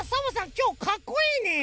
きょうかっこいいね。